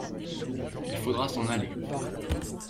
il faudra s'en aller.